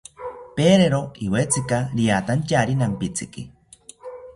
Pedero iwetzika riatantyari nampitziki